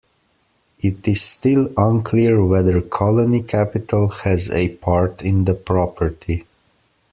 It is still unclear whether Colony Capital has a part in the property.